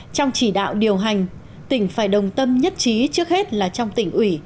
trong chỉ đạo điều hành tỉnh phải đồng tâm nhất trí trước hết là trong tỉnh ủy